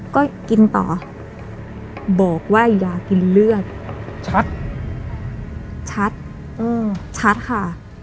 ก็กินต่อบอกว่าอย่ากินเลือดชัดชัดค่ะ